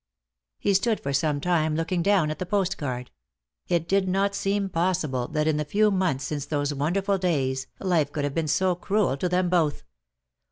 He stood for some time looking down at the post card; it did not seem possible that in the few months since those wonderful days, life could have been so cruel to them both.